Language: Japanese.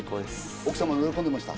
奥様、喜んでました？